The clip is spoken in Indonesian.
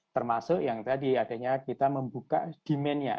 termasuk yang tadi adanya kita membuka demand nya